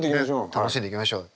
楽しんでいきましょう。